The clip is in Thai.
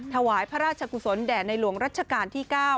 ถวายพระราชกุศลแด่ในหลวงรัชกาลที่๙